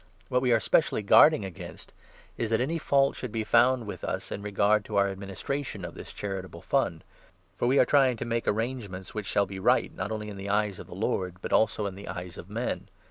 What we are 20 specially guarding against is that any fault should be found with us in regard to our administration of this charitable fund ; for we are trying to make arrangements which shall be right, 21 not only in the eyes of the Lord, but also in the eyes of men.